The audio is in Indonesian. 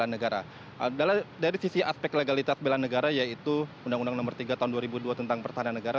adalah dari sisi aspek legalitas bela negara yaitu undang undang nomor tiga tahun dua ribu dua tentang pertahanan negara